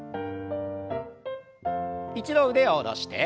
一度腕を下ろして。